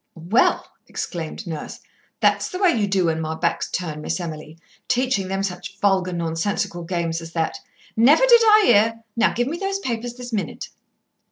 "Well!" exclaimed Nurse. "That's the way you do when my back's turned, Miss Emily, teaching them such vulgar, nonsensical games as that. Never did I hear now give me those papers this minute."